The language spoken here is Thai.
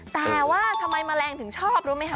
แต่ว่าทำไมแมลงถึงชอบรู้ไหมคะ